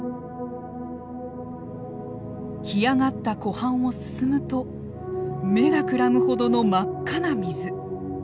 干上がった湖畔を進むと目がくらむほどの真っ赤な水。